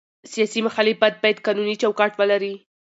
سیاسي مخالفت باید قانوني چوکاټ ولري